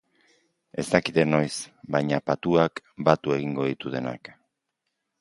Ez dakite noiz, baina patuak batu egingo ditu denak.